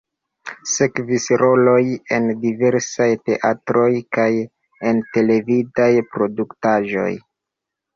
Sekvis roloj en diversaj teatroj kaj en televidaj produktaĵoj.